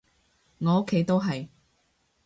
我屋企都係